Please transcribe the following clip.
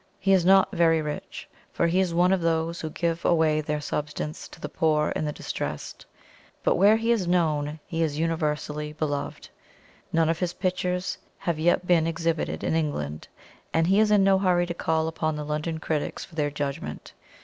He is not very rich, for he is one of those who give away their substance to the poor and the distressed; but where he is known he is universally beloved. None of his pictures have yet been exhibited in England, and he is in no hurry to call upon the London critics for their judgment.